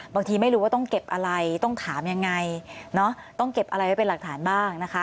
ไม่รู้ว่าต้องเก็บอะไรต้องถามยังไงต้องเก็บอะไรไว้เป็นหลักฐานบ้างนะคะ